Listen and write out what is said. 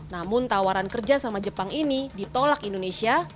namun tawaran kerja sama jepang ini ditolak indonesia